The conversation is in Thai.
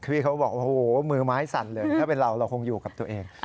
พี่เขาบอกโอ้โหมือไม้สั่นเลยถ้าเป็นเราเราคงอยู่กับตัวเอง